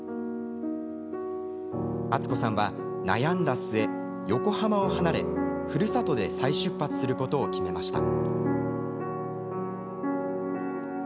敦子さんは悩んだ末横浜を離れ、ふるさとで再出発することを決めました。